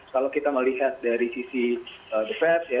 kalau kita melihat dari sisi the fed ya